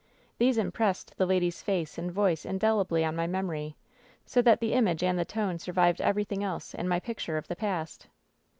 These impressed the lady's face and voice indelibly on my memory, so that the image and the tone survived everything else in my picture of the past.